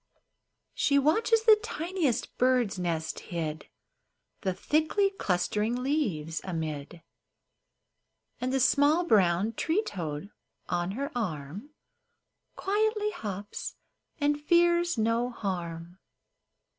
She watches the tiniest bird's nest hid The thickly clustering leaves amid ; And the small brown tree toad on her arm Quietly hops, and fears no harm.